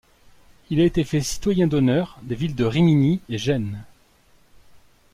Il a été fait citoyen d'honneur des villes de Rimini et Gênes.